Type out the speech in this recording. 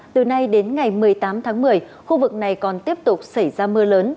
từ nay đến ngày một mươi tám tháng một mươi khu vực này còn tiếp tục xảy ra mưa lớn